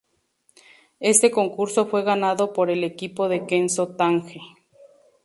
Este concurso fue ganado por el equipo de Kenzo Tange.